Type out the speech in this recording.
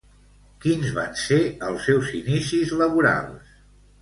Quins van ser els seus inicis laborals?